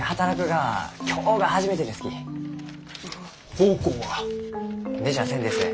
奉公は？出ちゃあせんです。